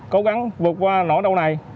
cố gắng vượt qua nỗi đau này